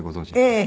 ええ。